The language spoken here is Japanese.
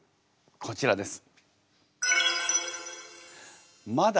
こちらです。